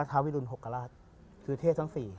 ท้าววิรุณหกกระราชคือเทสต์ท้องสี่